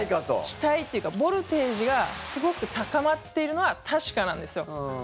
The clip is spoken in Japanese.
期待というかボルテージがすごく高まっているのは確かなんですよ。